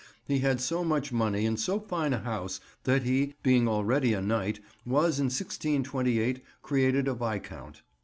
He had so much money and so fine a house that he, being already a Knight, was in 1628 created a Viscount.